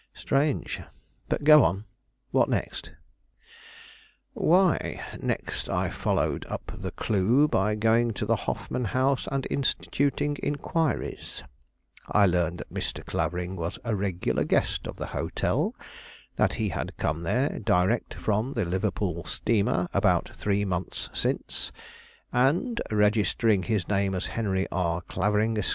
"Strange. But go on what next?" "Why, next I followed up the clue by going to the Hoffman House and instituting inquiries. I learned that Mr. Clavering was a regular guest of the hotel. That he had come there, direct from the Liverpool steamer, about three months since, and, registering his name as Henry R. Clavering, Esq.